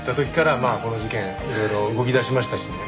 まあこの事件いろいろ動き出しましたしね。